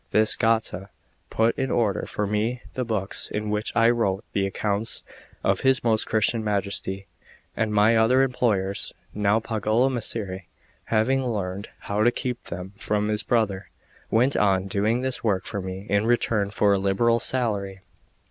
This Gatta put in order for me the books in which I wrote the accounts of his most Christian Majesty and my other employers. Now Pagolo Micceri, having learned how to keep them from his brother, went on doing this work for me in return for a liberal salary.